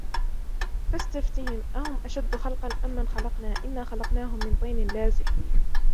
فاستفتهم أهم أشد خلقا أم من خلقنا إنا خلقناهم من طين لازب